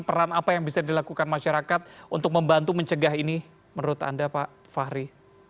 peran apa yang bisa dilakukan masyarakat untuk membantu mencegah ini menurut anda pak fahri